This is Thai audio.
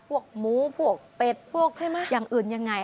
พวกหมู้พวกเป็ดอย่างอื่นยังไง